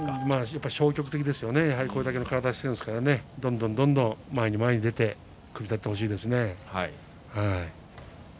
やはり消極的できですよね、これだけの体をしているんだから、どんどんどんどん前に出て組み立ててほしいですね。